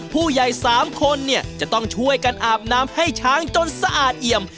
ผู้ใหญ่๓คนเนี่ยจะต้องช่วยกันอาบน้ำให้ช้างจนสะอาดเอี่ยม